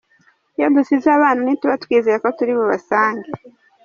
Iyo dusize abana ntituba twizeye ko turi bubasange.